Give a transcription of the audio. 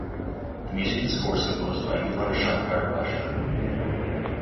The music and score is composed by Yuvan Shankar Raja.